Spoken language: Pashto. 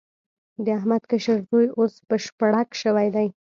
د احمد کشر زوی اوس بشپړک شوی دی.